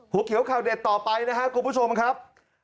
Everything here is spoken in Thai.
หัวเขียวข่าวเด็ดต่อไปนะครับคุณผู้ชมครับ